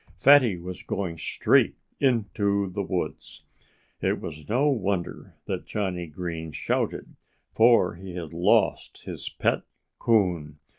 Fatty was going straight into the woods. It was no wonder that Johnnie Green shouted. For he had lost his pet coon.